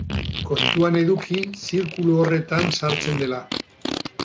Kontuan eduki zirkulu horretan sartzen dela.